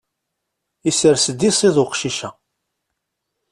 Isers-d iṣiḍ uqcic-a.